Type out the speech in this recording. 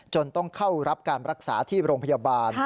ต้องเข้ารับการรักษาที่โรงพยาบาล